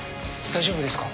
大丈夫ですか？